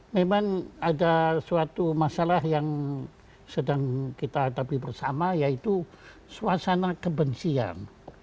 memang ada suatu masalah yang sedang kita hadapi bersama yaitu suasana kebencian